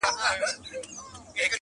ناموسي دودونه اصل ستونزه ده ښکاره,